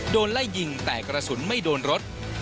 โดนไล่ยิงแต่กระสุนไม่โดนรถ